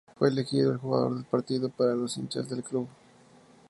Fue elegido el jugador del partido, para los hinchas del club.